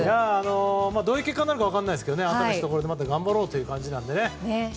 どういう結果になるか分かりませんが新しいところでまた頑張ろうという感じなのでね。